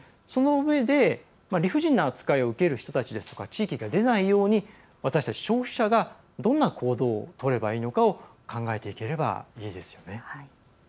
そのうえで、理不尽な扱いを受ける人たちですとか地域が出ないように私たち、消費者がどんな行動をとればいいのかを考えていければいいですよね。